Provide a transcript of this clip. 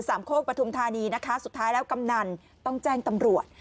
โคกปฐุมธานีนะคะสุดท้ายแล้วกำนันต้องแจ้งตำรวจ